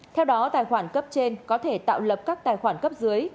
theo đó tài khoản cấp trên có thể tạo lập các tài khoản cấp dưới